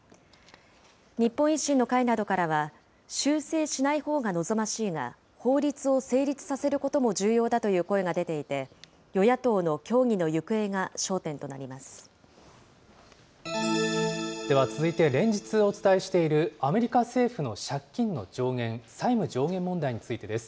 日本維新の会などからは、修正しないほうが望ましいが、法律を成立させることも重要だという声も出ていて、与野党の協議では続いて、連日お伝えしているアメリカ政府の借金の上限、債務上限問題についてです。